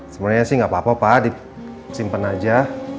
sebenernya sih gak apa apa pak disimpan aja